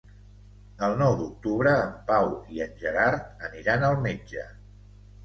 El nou d'octubre en Pau i en Gerard aniran al metge.